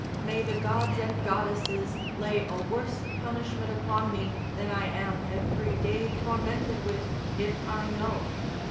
May the gods and goddesses lay a worse punishment upon me than I am every day tormented with, if I know!"